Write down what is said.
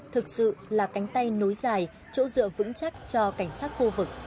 thực sự là cánh tay nối dài chỗ dựa vững chắc cho cảnh sát khu vực